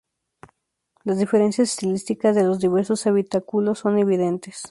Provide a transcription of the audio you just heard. Las diferencias estilísticas de los diversos habitáculos son evidentes.